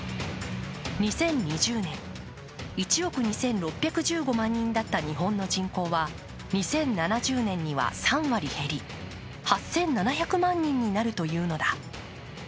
２０２０年、１億２６１５万人だった日本の人口は２０７０年には３割減り８７００万人になるというのだ。